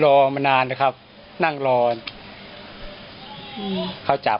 รอมานานนะครับนั่งรอเขาจับ